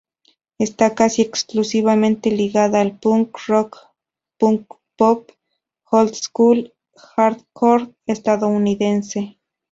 Está, casi exclusivamente, ligada al punk rock, punk pop, old school y hardcore estadounidense.